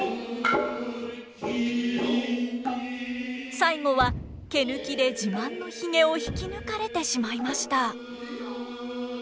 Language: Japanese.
最後は毛抜きで自慢のひげを引き抜かれてしまいました。